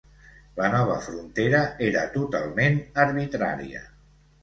La nova frontera era totalment arbitrària.